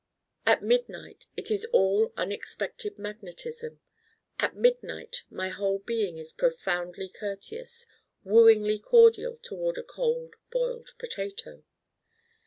At midnight it is all unexpected magnetism. At midnight my whole being is profoundly courteous, wooingly cordial toward a Cold Boiled Potato.